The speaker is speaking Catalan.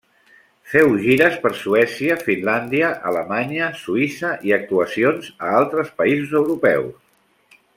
Feu gires per Suècia, Finlàndia, Alemanya, Suïssa i actuacions a altres països europeus.